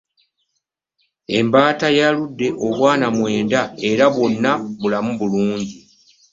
Embaata yayaludde obwana mwenda era bwonna bulamu bulungi.